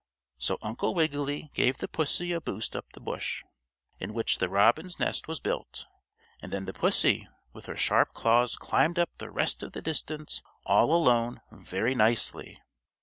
So Uncle Wiggily gave the pussy a boost up the bush, in which the robin's nest was built, and then the pussy, with her sharp claws climbed up the rest of the distance all alone very nicely.